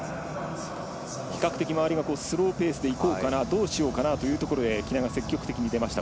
比較的、周りがスローペースでいこうかなどうしようかなというところで喜納が積極的に出ました。